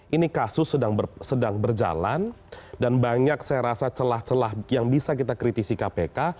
ini kasus sedang berjalan dan banyak saya rasa celah celah yang bisa kita kritisi kpk